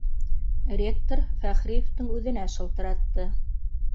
Ректор Фәхриевтең үҙенә шылтыратты